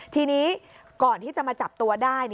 ทีนี้ก่อนที่จะมาจับตัวได้